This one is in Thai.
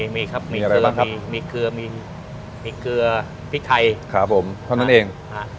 มีครับมีอะไรบ้างครับมีเกลือมีเกลือพริกไทยครับผมเท่านั้นเองอ่า